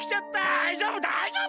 だいじょうぶだいじょうぶ！